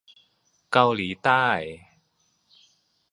เกาหลีใต้